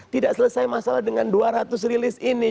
tidak selesai masalah dengan dua ratus rilis ini